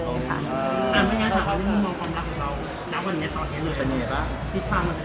คุณค่ะถามว่าคุณมองความรักของเราณวันนี้ตอนนี้เหลือเป็นไงบ้าง